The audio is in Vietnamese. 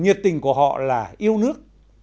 nhiệt tình của họ là yêu nước